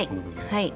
はい。